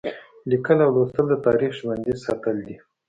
لیکل او لوستل د تاریخ ژوندي ساتل دي.